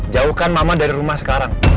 jauhkan mama dari rumah sekarang